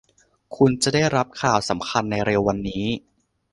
คุณจะได้รับข่าวสำคัญในเร็ววันนี้